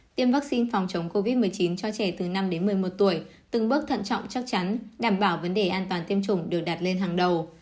tiêm vaccine phòng chống covid một mươi chín cho trẻ từ năm đến một mươi một tuổi từng bước thận trọng chắc chắn đảm bảo vấn đề an toàn tiêm chủng được đặt lên hàng đầu